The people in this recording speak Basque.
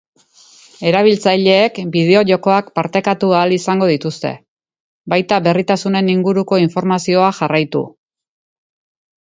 Erabiltzaileek bideo-jokoak partekatu ahal izango dituzte, baita berritasunen inguruko informazioa jarraitu.